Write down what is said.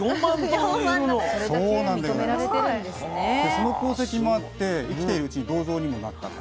その功績もあって生きているうちに銅像にもなったと。